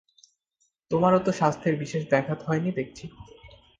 তোমারও তো স্বাস্থ্যের বিশেষ ব্যাঘাত হয় নি দেখছি।